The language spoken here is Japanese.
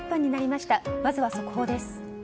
まずは速報です。